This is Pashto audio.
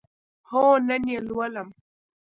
هو، نن یی لولم